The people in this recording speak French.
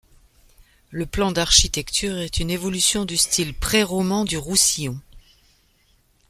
Le plan d'architecture est une évolution du style pré-roman du Roussillon.